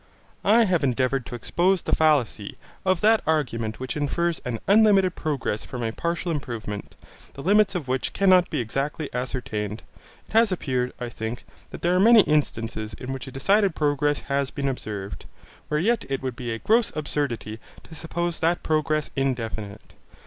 I have endeavoured to expose the fallacy of that argument which infers an unlimited progress from a partial improvement, the limits of which cannot be exactly ascertained. It has appeared, I think, that there are many instances in which a decided progress has been observed, where yet it would be a gross absurdity to suppose that progress indefinite.